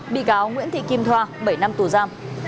bị cáo nguyễn thị kim thoa bảy năm tù giam